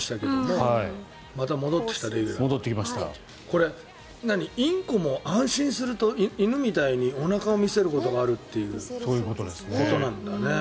これ、インコも安心すると犬みたいにおなかを見せることがあるということなんだね。